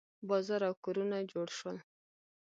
بازار او کورونه جوړ شول.